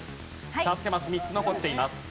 助けマス３つ残っています。